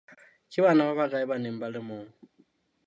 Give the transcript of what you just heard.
Ke bana ba bakae ba neng ba le moo?